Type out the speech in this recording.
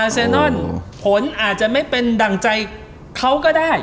เซนอนผลอาจจะไม่เป็นดั่งใจเขาก็ได้